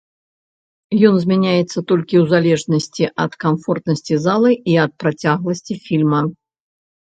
Ён змяняецца толькі ў залежнасці ад камфортнасці залы і ад працягласці фільма.